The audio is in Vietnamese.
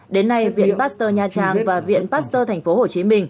đến nay viện pasteur nha trang và viện pasteur tp hcm